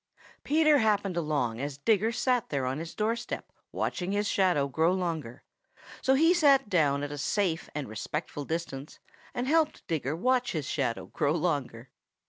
Peter happened along as Digger sat there on his doorstep watching his shadow grow longer, so he sat down at a safe and respectful distance and helped Digger watch his shadow grow longer.